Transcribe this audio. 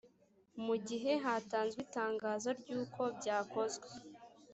mu gihe hatanzwe itangazo ry uko byakozwe